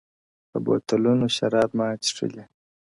• په بوتلونو شـــــراب ماڅښلي ـ